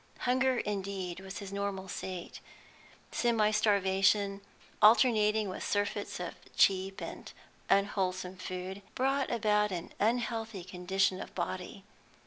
Hunger, indeed, was his normal state; semi starvation, alternating with surfeits of cheap and unwholesome food, brought about an unhealthy condition of body.